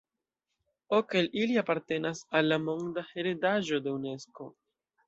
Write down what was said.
Ok el ili apartenas al la monda heredaĵo de Unesko.